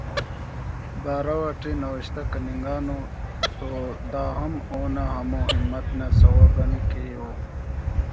بارو اٹی نوشتہ کننگانو تو دا ہم اونا ہمو ہمت نا سوب آن کہ او